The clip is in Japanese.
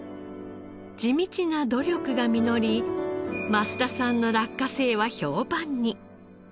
地道な努力が実り増田さんの落花生は評判に。